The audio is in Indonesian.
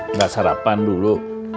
enggak sarapan dulu